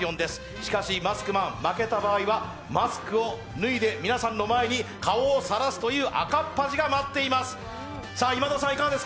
しかしマスクマン、負けた場合はマスクを脱いで皆さんの前に顔をさらすという赤っ恥が待っています。